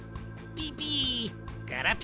ピピ。